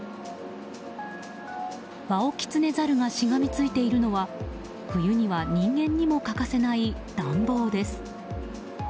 ワオキツネザルがしがみついているのは冬には人間にも欠かせない暖房です。